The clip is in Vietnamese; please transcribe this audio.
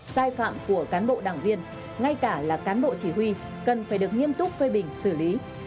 sai phạm của cán bộ đảng viên ngay cả là cán bộ chỉ huy cần phải được nghiêm túc phê bình xử lý